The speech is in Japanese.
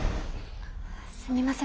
すみません